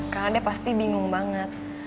karena dia pasti bingung banget